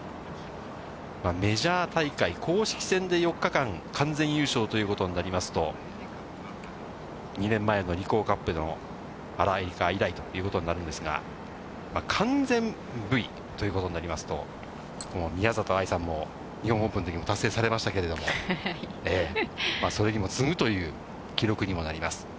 メジャー大会公式戦で４日間、完全優勝ということになりますと、２年前のリコーカップのあらい以来となりますが、完全Ｖということになりますと、この宮里藍さんも、日本オープンのときも達成されましたけれども、それにも次ぐという記録にもなります。